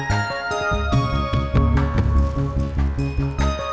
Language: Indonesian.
saya mau karbon dulu